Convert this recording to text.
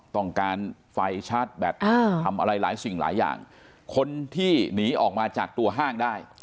ต้องการไฟชาร์จแบตทำอะไรหลายสิ่งหลายอย่างคนที่หนีออกมาจากตัวห้างได้